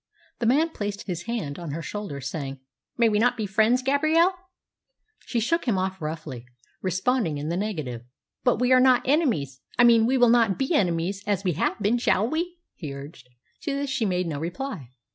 The man placed his hand on her shoulder, saying, "May we not be friends, Gabrielle?" She shook him off roughly, responding in the negative. "But we are not enemies I mean we will not be enemies as we have been, shall we?" he urged. To this she made no reply.